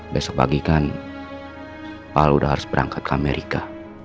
besok pagi kan palu udah harus berangkat ke amerika